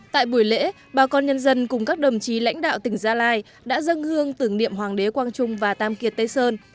tại buổi lễ bà con nhân dân cùng các đồng chí lãnh đạo tỉnh gia lai đã dâng hương tưởng niệm hoàng đế quang trung và tam kiệt tây sơn